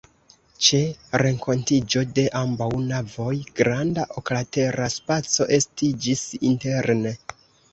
Ĉe renkontiĝo de ambaŭ navoj granda oklatera spaco estiĝis interne.